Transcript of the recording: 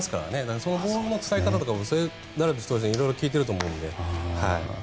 そのボールの使い方とかダルビッシュ投手に色々聞いていると思うので。